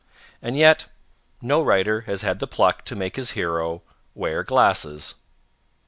And yet, no writer has had the pluck to make his hero wear glasses.